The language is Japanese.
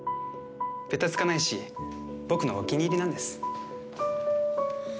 べたつかないし僕のお気に入りなんです。